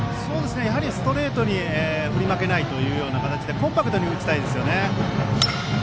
ストレートに振り負けないというような形でコンパクトに打ちたいですね。